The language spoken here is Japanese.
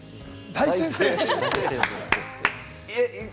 大先生。